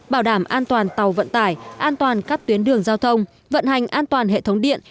bảo đảm an toàn tàu vận tải an toàn các tuyến đường giao thông vận hành an toàn hệ thống điện